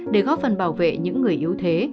để góp phần bảo vệ những người yếu thế